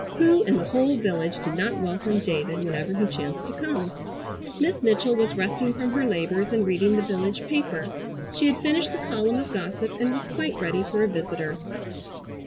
Who in the whole village did not welcome David whenever he chanced to come? Miss Mitchell was resting from her labors and reading the village paper. She had finished the column of gossip and was quite ready for a visitor.